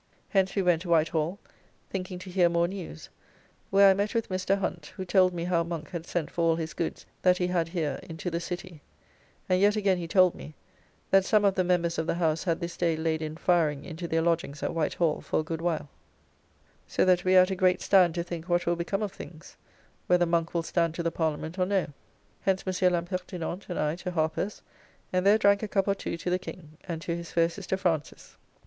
Hence we went to White Hall, thinking to hear more news, where I met with Mr. Hunt, who told me how Monk had sent for all his goods that he had here into the City; and yet again he told me, that some of the members of the House had this day laid in firing into their lodgings at White Hall for a good while, so that we are at a great stand to think what will become of things, whether Monk will stand to the Parliament or no. Hence Mons. L'Impertinent and I to Harper's, and there drank a cup or two to the King, and to his fair sister Frances [Frances Butler, the great beauty, who is sometimes styled. la belle Boteler.